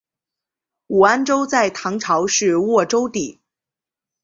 武安州在唐朝是沃州地。